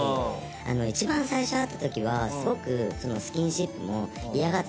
「一番最初会った時はすごくスキンシップも嫌がってたんですよ」